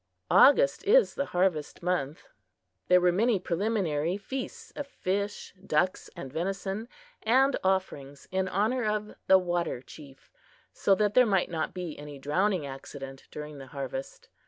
August is the harvest month. There were many preliminary feasts of fish, ducks and venison, and offerings in honor of the "Water Chief," so that there might not be any drowning accident during the harvest.